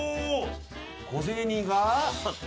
小銭が。